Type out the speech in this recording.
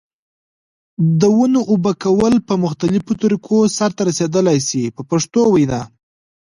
د ونو اوبه کول په مختلفو طریقو سرته رسیدلای شي په پښتو وینا.